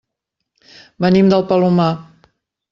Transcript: Venim del Palomar.